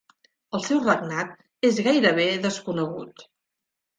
El seu regnat és gairebé desconegut.